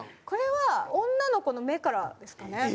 これは女の子の目からですかね。